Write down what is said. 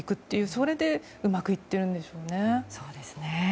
それでうまくいっているんでしょうね。